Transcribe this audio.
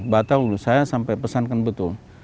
saya selalu saya sampai pesankan betul